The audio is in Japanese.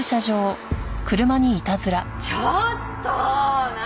ちょっと何？